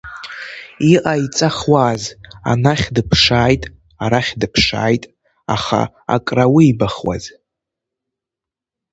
Иҟаиҵахуаз, анахь дыԥшааит, арахь дыԥшааит, аха акрауибахуаз…